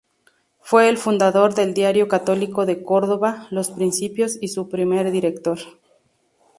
Fue el fundador del diario católico de Córdoba, "Los Principios" y su primer director.